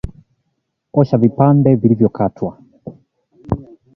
Osha vipande vilivyokatwa